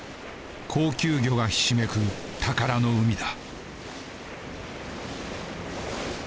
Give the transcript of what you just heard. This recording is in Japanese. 高級魚がひしめく宝の海だ。